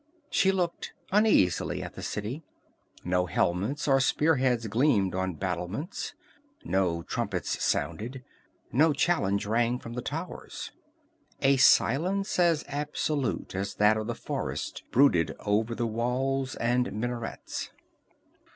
She looked uneasily at the city. No helmets or spear heads gleamed on battlements, no trumpets sounded, no challenge rang from the towers. A silence as absolute as that of the forest brooded over the walls and minarets.